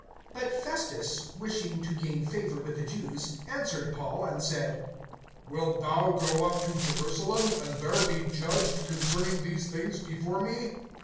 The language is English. (9)But Festus, wishing to gain favor with the Jews, answered Paul, and said: Wilt thou go up to Jerusalem, and there be judged concerning these things, before me?